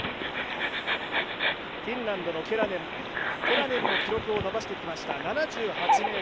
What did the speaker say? フィンランドのケラネンも記録を伸ばしてきました。